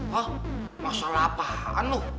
hah masalah apaan lo